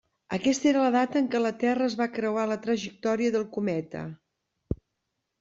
Aquesta era la data en què la Terra es va creuar la trajectòria del cometa.